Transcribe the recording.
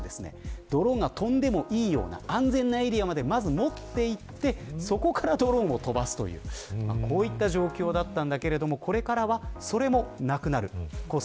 ドローンが飛んでもいいような安全なエリアに持って行ってそこからドローンを飛ばすこういった状況でしたがこれからはそれもなくなります。